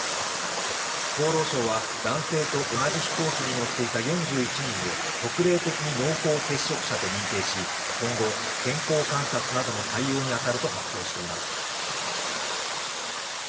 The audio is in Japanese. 厚労省は男性と同じ飛行機に乗っていた４１人を特例的に濃厚接触者と認定し今後、健康観察などの対応に当たると発表しています。